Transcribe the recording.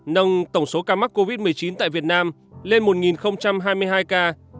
năm nay tổng số ca mắc covid một mươi chín tại việt nam lên một hai mươi hai ca